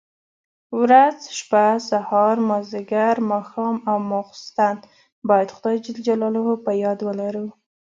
ورځ، شپه، سهار، ماځيګر، ماښام او ماخستن بايد خداى جل جلاله په ياد ولرو.